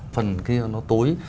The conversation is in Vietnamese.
phần kia nó tối